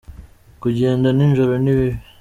kujyenda ninjoro nibibi